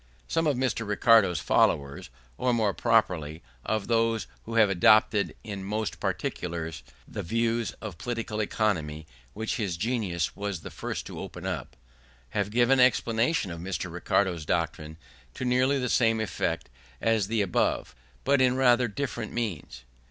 Some of Mr. Ricardo's followers, or more properly, of those who have adopted in most particulars the views of political economy which his genius was the first to open up, have given explanations of Mr. Ricardo's doctrine to nearly the same effect as the above, but in rather different terms.